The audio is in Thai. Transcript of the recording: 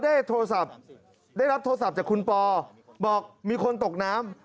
ได้รับทดสัมพยาบาลจากคุณปอร์บอกมีคนตกน้ำ